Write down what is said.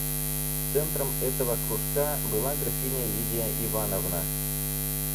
Центром этого кружка была графиня Лидия Ивановна.